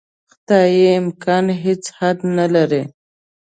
خدايي امکانات هېڅ حد نه لري.